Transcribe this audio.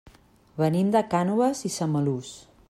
Venim de Cànoves i Samalús.